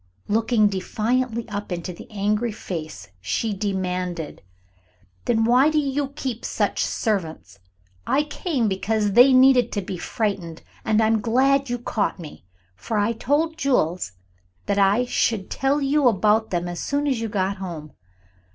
Looking defiantly up into the angry face she demanded: "Then why do you keep such servants? I came because they needed to be frightened, and I'm glad you caught me, for I told Jules that I should tell you about them as soon as you got home.